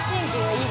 いい。